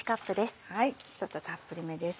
ちょっとたっぷりめです。